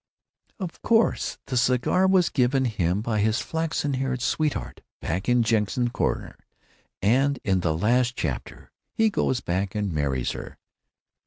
"Of course! The cigar was given him by his flaxen haired sweetheart back in Jenkins Corners, and in the last chapter he goes back and marries her."